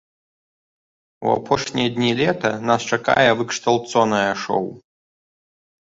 У апошнія дні лета нас чакае выкшталцонае шоў!